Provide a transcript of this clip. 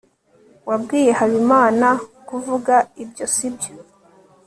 wabwiye habimana kuvuga ibyo, sibyo